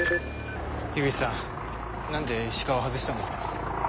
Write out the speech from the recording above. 口さん何で石川を外したんですか？